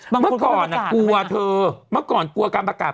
เมื่อก่อนกลัวเธอเมื่อก่อนกลัวการประกาศ